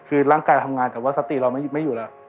คือร่างกายทำงานกับวัสดีเราไม่อยู่แล้ว